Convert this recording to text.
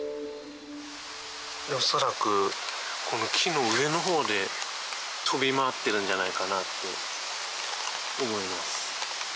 恐らくこの木の上の方で飛び回ってるんじゃないかなって思います。